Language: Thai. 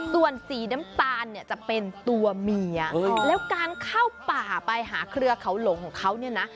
ส่วนสีน้ำตาลเนี่ยจะเป็นตัวเมียแล้วการเข้าป่าไปหาเครือเขาหลงของเขาเนี่ยนะ